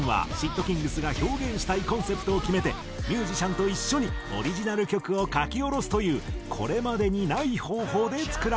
ｔｋｉｎｇｚが表現したいコンセプトを決めてミュージシャンと一緒にオリジナル曲を書き下ろすというこれまでにない方法で作られた。